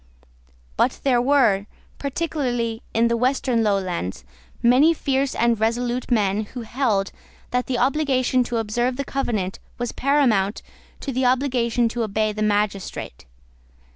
But there were, particularly in the western lowlands, many fierce and resolute men who held that the obligation to observe the Covenant was paramount to the obligation to obey the magistrate.